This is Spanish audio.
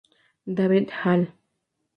David Hall